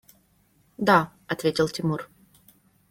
– Да, – ответил Тимур.